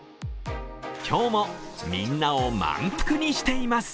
今日もみんなを満腹にしています。